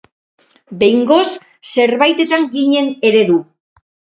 Behingoz, zerbaitetan ginen eredu.